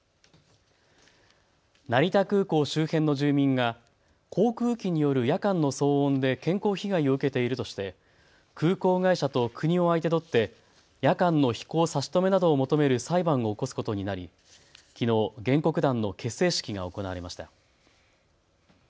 成田空港周辺の住民が航空機による夜間の騒音で健康被害を受けているとして空港会社と国を相手取って夜間の飛行差し止めなどを求める裁判を起こすことになりきのう原告団の結成式が行われました。